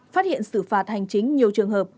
phát hiện xử phạt hành chính nhiều trường hợp